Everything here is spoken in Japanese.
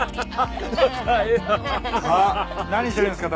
あっ何してるんですか？